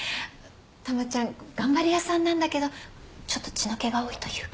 珠ちゃん頑張り屋さんなんだけどちょっと血の気が多いというか。